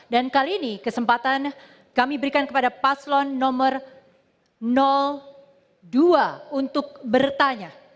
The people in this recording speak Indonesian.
kali ini kesempatan kami berikan kepada paslon nomor dua untuk bertanya